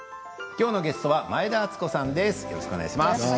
今日のゲストは前田敦子さんです。